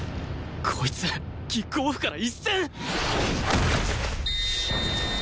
こいつキックオフから一閃！？